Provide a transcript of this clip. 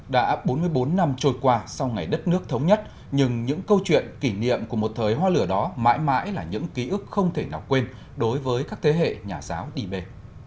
đã bốn mươi bốn năm trôi qua sau ngày đất nước thống nhất nhưng những câu chuyện kỷ niệm của một thời hoa lửa đó mãi mãi là những ký ức không thể nào quên đối với các thế hệ nhà giáo đi bê